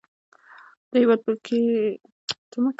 په هېواد کې تکتونیکی پلیټو حرکت درزونه رامنځته کړي دي